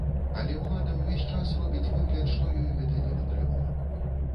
Але ўлада ўвесь час робіць выгляд, што ёй гэта не патрэбна.